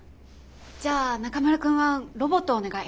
じゃあ中村くんはロボットをお願い。